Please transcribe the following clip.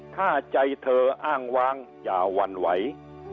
ถ้าใจเธออ้างวางอย่าหวั่นไหว